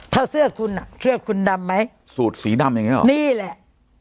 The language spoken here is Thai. ถ้าเสื้อคุณอ่ะเสื้อคุณดำไหมสูตรสีดำอย่างเงี้หรอนี่แหละ